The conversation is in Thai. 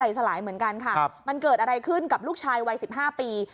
สลายเหมือนกันค่ะมันเกิดอะไรขึ้นกับลูกชายวัย๑๕ปี